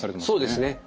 そうですね。